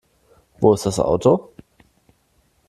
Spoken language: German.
Wo ist das Auto?